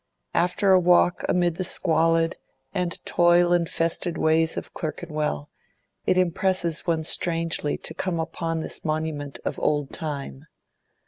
After a walk amid the squalid and toil infested ways of Clerkenwell, it impresses one strangely to come upon this monument of old time.